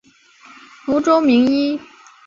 福州名医。